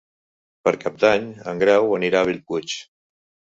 Per Cap d'Any en Grau anirà a Bellpuig.